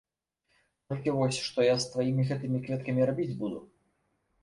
Толькі вось, што я з тваімі гэтымі кветкамі рабіць буду?